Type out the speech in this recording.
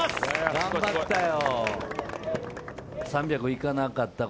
頑張ったよ。